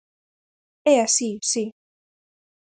É así, si.